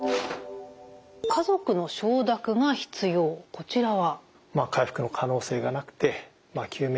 こちらは？